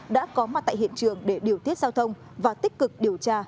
đã có mặt tại hiện trường để điều tiết giao thông và tích cực điều tra